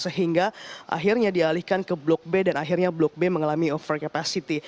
sehingga akhirnya dialihkan ke blok b dan akhirnya blok b mengalami over capacity